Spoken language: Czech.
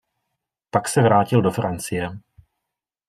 Pak se vrátil do Francie.